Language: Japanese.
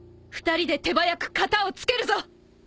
２人で手早く片を付けるぞ！